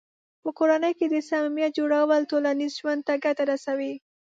په کورنۍ کې د صمیمیت جوړول ټولنیز ژوند ته ګټه رسوي.